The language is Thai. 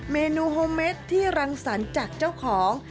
เมนูโฮเมดที่รังสรรค์จากเจ้าของ